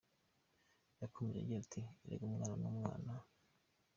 Yakomeje agira ati “Erega umwana ni umwana.